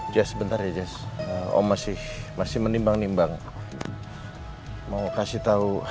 jas bentar ya jas om masih masih menimbang nimbang mau kasih tahu